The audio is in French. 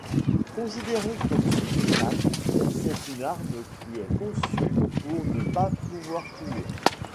Considérée comme sublétale, c'est une arme qui est conçue pour ne pas pouvoir tuer.